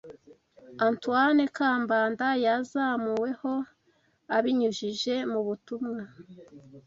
Antoine Kambanda yazamuweho, abinyujije mu butumwa